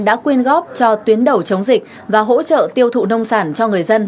đã quyên góp cho tuyến đầu chống dịch và hỗ trợ tiêu thụ nông sản cho người dân